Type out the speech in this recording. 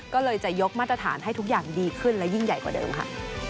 ก็เลยจะยกมาตรฐานให้ทุกอย่างดีขึ้นและยิ่งใหญ่กว่าเดิมค่ะ